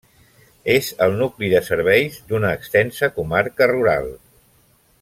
És el nucli de serveis d'una extensa comarca rural.